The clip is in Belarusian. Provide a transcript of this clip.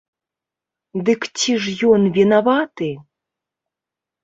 Дык ці ж ён вінаваты?